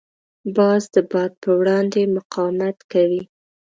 باز د باد په وړاندې مقاومت کوي